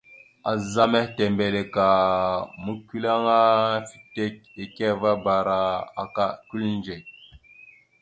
Azzá mehitembelek a mʉkʉleŋá fitek ekeveabara aka kʉliŋdzek.